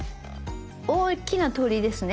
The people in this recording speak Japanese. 大きな鳥居ですね。